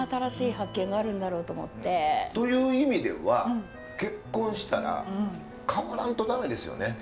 という意味では結婚したら変わらんとダメですよね。